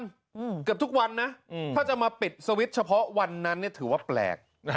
เกือบทุกวันนะถ้าจะมาปิดสวิตช์เฉพาะวันนั้นถือว่าแปลก